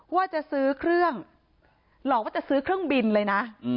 ว่าจะซื้อเครื่องหลอกว่าจะซื้อเครื่องบินเลยนะ